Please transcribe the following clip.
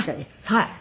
はい。